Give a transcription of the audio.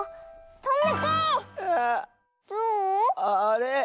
あれ？